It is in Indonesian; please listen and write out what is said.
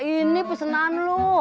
ini pesenan lo